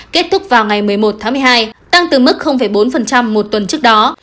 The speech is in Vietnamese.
kết thúc vào ngày một mươi một tháng một mươi hai tăng từ mức bốn một tuần trước đó